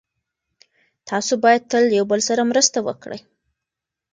تاسو باید تل یو بل سره مرسته وکړئ.